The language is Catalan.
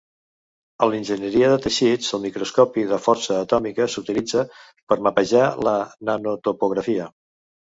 A l'enginyeria de teixits, el microscopi de força atòmica s'utilitza per mapejar la nanotopografia.